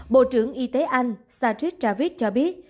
bộ trưởng y tế anh satish javid cho biết